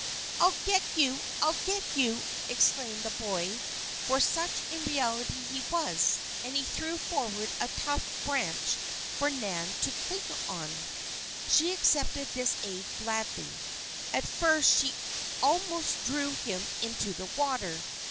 "I'll get you! I'll get you!" exclaimed the boy, for such in reality he was, and he threw forward a tough branch for Nan to cling to. She accepted this aid gladly. At first she almost drew him into the water.